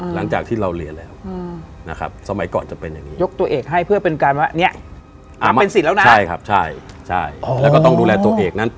หลังจากที่เราเรียนแล้ว